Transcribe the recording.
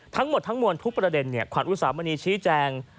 ทั้งหมดทั้งมวลทุกประเด็นขวัญอุสามณีชี้แจง